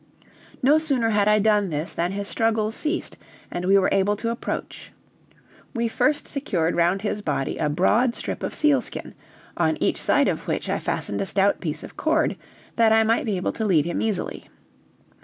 No sooner had I done this than his struggles ceased, and we were able to approach. We first secured round his body a broad strip of sealskin, on each side of which I fastened a stout piece of cord, that I might be able to lead him easily.